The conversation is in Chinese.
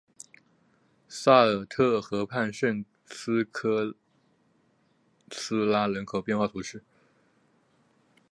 萨尔特河畔圣斯科拉斯人口变化图示